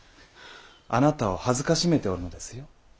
あなたを辱めておるのですよ。